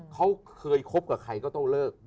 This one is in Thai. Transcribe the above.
เขาเคยคบกับใครก็ต้องเลิก